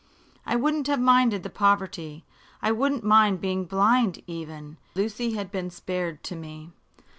"I wouldn't have minded the poverty; I wouldn't mind being blind, even, if Lucy had been spared to me.